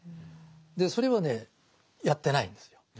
でそれはねやってないんですよ。